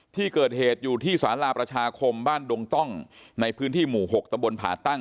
ที่เกิดเหตุอยู่ที่สาราประชาคมบ้านดงต้องในพื้นที่หมู่๖ตำบลผ่าตั้ง